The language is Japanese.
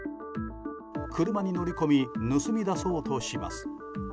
車に乗り込み盗み出そうとします。